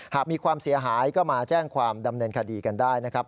หากมีความเสียหายก็มาแจ้งความดำเนินคดีกันได้นะครับ